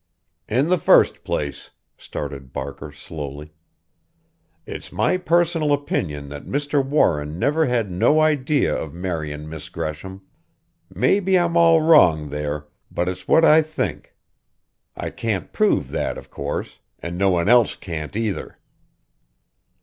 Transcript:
"In the first place," started Barker slowly, "it's my personal opinion that Mr. Warren never had no idea of marryin' Miss Gresham. Maybe I'm all wrong there but it's what I think. I can't prove that, of course an' no one else can't either.